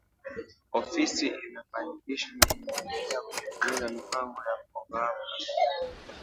Ofisi imefanikisha na inaendelea kutekeleza mipango na programu kadhaa